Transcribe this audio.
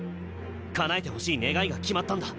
叶えてほしい願いが決まったんだ。